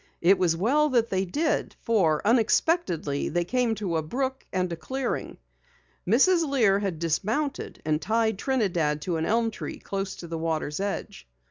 It was well that they did, for unexpectedly they came to a brook and a clearing. Mrs. Lear had dismounted and tied Trinidad to an elm tree close to the water's edge.